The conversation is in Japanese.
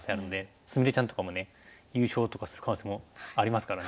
菫ちゃんとかもね優勝とかする可能性もありますからね。